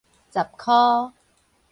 十箍